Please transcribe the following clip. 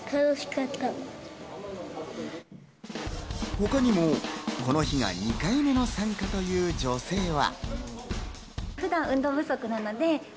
他にも、この日が２回目の参加という女性は。